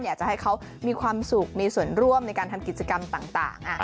อยากจะให้เขามีความสุขมีส่วนร่วมในการทำกิจกรรมต่าง